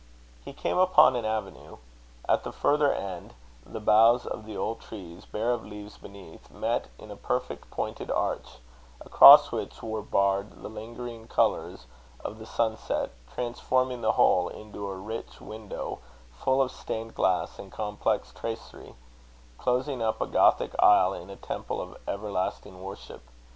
He came upon an avenue. At the further end the boughs of the old trees, bare of leaves beneath, met in a perfect pointed arch, across which were barred the lingering colours of the sunset, transforming the whole into a rich window full of stained glass and complex tracery, closing up a Gothic aisle in a temple of everlasting worship.